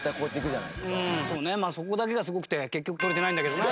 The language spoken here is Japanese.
まあそこだけがすごくて結局捕れてないんだけどな。